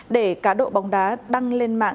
để cá độ bóng đá đăng lên mạng